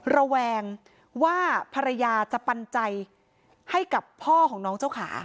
ระแวงว่าภรรยาจะปันใจให้กับพ่อของน้องเจ้าขา